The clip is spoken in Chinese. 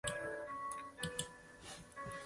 两人在京城遭尚膳监总管海大富擒进宫中。